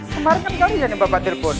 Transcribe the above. kemarin kan kamu jadi bapak telepon